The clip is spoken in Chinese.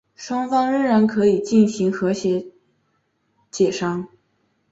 双方然后可以进行和解协商。